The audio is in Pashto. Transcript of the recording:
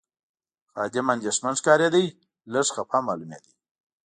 خادم اندېښمن ښکارېد، لږ خپه معلومېده.